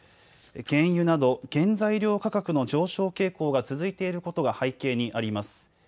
原油など原材料価格の上昇傾向が続いていることが背景にあります。